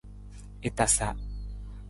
I tasa.